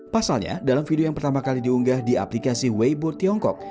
pasalnya dalam video yang pertama kali diunggah di aplikasi wayboard tiongkok